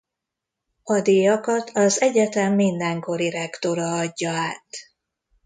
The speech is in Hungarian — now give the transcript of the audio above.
A díjakat az Egyetem mindenkori rektora adja át.